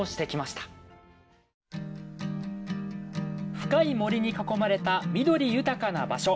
深い森に囲まれた緑豊かな場所。